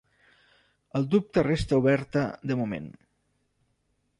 El dubte resta oberta de moment.